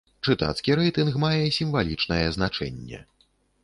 Чытацкі рэйтынг мае сімвалічнае значэнне.